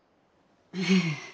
ええ。